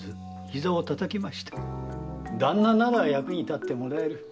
旦那なら役に立ってもらえる。